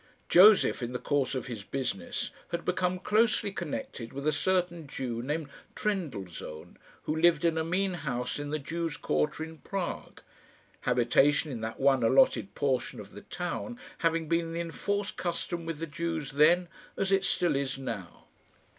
Josef, in the course of his business, had become closely connected with a certain Jew named Trendellsohn, who lived in a mean house in the Jews' quarter in Prague habitation in that one allotted portion of the town having been the enforced custom with the Jews then, as it still is now.